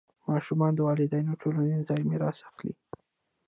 ماشومان د والدینو ټولنیز ځای میراث اخلي.